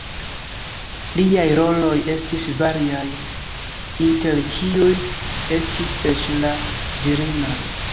Liaj roloj estis variaj, inter kiuj estis eĉ la virinaj.